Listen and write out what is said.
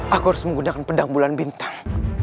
aku harus menggunakan pedang bulan bintang